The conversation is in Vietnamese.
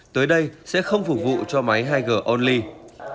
tới đây sẽ không phục vụ các nhà mạng lớn và các nhà mạng lớn